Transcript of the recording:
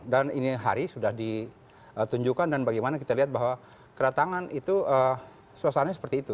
dan ini hari sudah ditunjukkan dan bagaimana kita lihat bahwa kedatangan itu suasana seperti itu